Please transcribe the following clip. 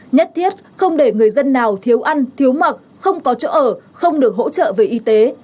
nhất thiết không để người dân nào thiếu ăn thiếu mặc không có chỗ ở không được hỗ trợ về y tế